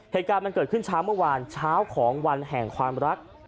เหตุการณ์มันเกิดขึ้นเช้าเมื่อวานเช้าของวันแห่งความรัก